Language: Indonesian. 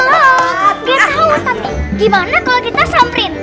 gak tau tapi gimana kalo kita samprin